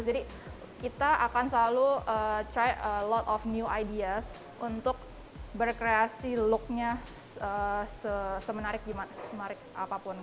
jadi kita akan selalu try a lot of new ideas untuk berkreasi looknya semenarik apapun